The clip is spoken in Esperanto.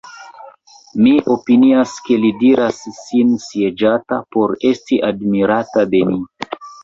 Mi opinias, ke li diras sin sieĝata, por esti admirata de ni.